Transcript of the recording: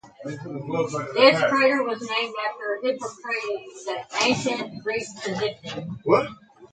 This crater was named after Hippocrates, the ancient Greek physician.